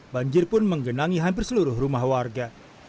banjir pun menggenangi hampir seluruh rumah warga